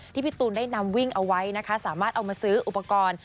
พี่ตูนได้นำวิ่งเอาไว้นะคะสามารถเอามาซื้ออุปกรณ์